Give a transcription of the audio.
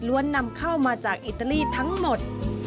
นำเข้ามาจากอิตาลีทั้งหมด